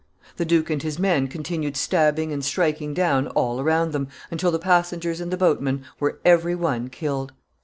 The duke and his men continued stabbing and striking down all around them, until the passengers and the boatmen were every one killed.